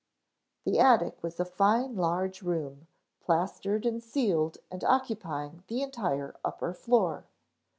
The attic was a fine large room, plastered and ceiled and occupying the entire upper floor.